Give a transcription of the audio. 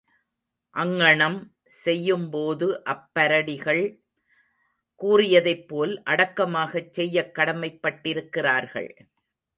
அங்ஙணம் செய்யும்போது அப்பரடிகள் கூறியதைப்போல் அடக்கமாகச் செய்யக் கடமைப் பட்டிருக்கிறார்கள்.